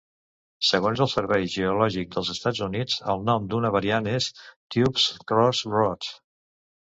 Segons el Servei Geològic dels Estats Units, el nom d'una variant és "Tubbs Cross Roads".